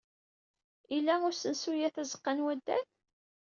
Ila usensu-a tazeɣɣa n waddal?